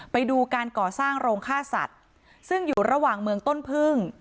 ไปดูการก่อสร้างโรงฆ่าสัตว์ซึ่งอยู่ระหว่างเมืองต้นพึ่ง